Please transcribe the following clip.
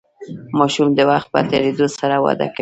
ماشوم د وخت په تیریدو سره وده کوي.